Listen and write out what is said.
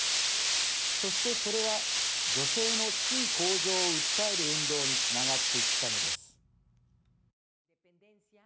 そして、それは女性の地位向上を訴える運動につながっていったのです。